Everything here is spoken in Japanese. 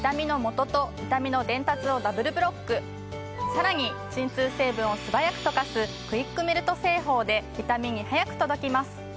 さらに鎮痛成分を素早く溶かすクイックメルト製法で痛みに速く届きます。